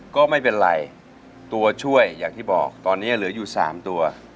ก็ไม่เป็นไรตัวช่วยอย่างที่บอกตอนนี้เหลืออยู่๓ตัว